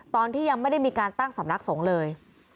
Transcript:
ตอนที่ยังไม่ได้มีการตั้งสำนักสงฆ์เลย